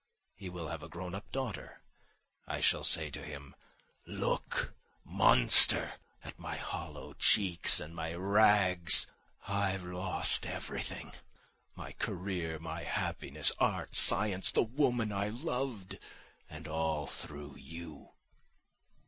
He will have a grown up daughter.... I shall say to him: "Look, monster, at my hollow cheeks and my rags! I've lost everything—my career, my happiness, art, science, the woman I loved, and all through you.